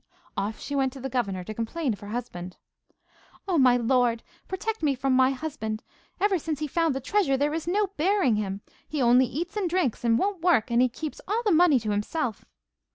Off she went to the governor to complain of her husband. 'Oh, my lord, protect me from my husband! Ever since he found the treasure there is no bearing him. He only eats and drinks, and won't work, and he keeps all the money to himself.